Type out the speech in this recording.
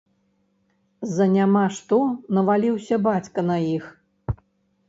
За няма што наваліўся бацька на іх.